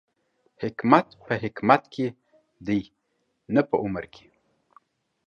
حکمت په حکمت کې دی، نه په عمر کې